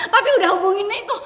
tapi udah hubunginnya itu